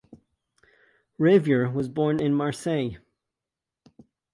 Ravier was born in Marseille.